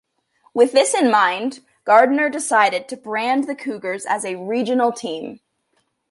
With this in mind, Gardner decided to brand the Cougars as a "regional" team.